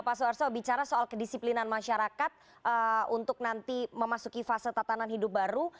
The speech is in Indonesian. pak suarso bicara soal kedisiplinan masyarakat untuk nanti memasuki fase tatanan hidup baru